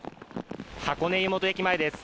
箱根湯本駅前です。